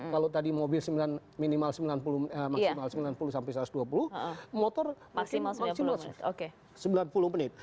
kalau tadi mobil minimal sembilan puluh sampai satu ratus dua puluh motor maksimal sembilan puluh menit